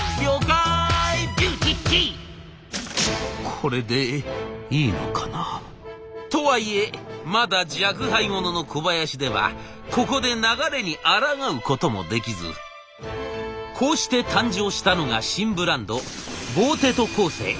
「これでいいのかな」。とはいえまだ若輩者の小林ではここで流れにあらがうこともできずこうして誕生したのが新ブランド「ボーテ・ド・コーセー」。